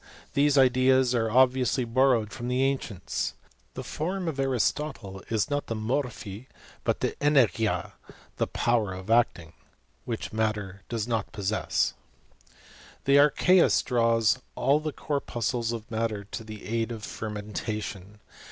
These ideas are obviously borrowed ' from the ancients. The form of Aristotle is not thft p>p#T, but the ivip^iia ((Ae power of acting) which' matter does not possess. The archeus draws all the corpuscles of matter tO' the aid o1 fermentation.